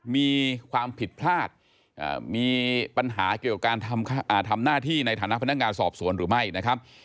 มีความผิดพลาดมีปัญหาเกี่ยวกับการทำหน้าที่ในฐานะพนักงานสอบสวนหรือไม่นะครับ